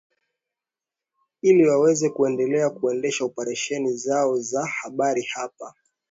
ili waweze kuendelea kuendesha operesheni zao za habari hapa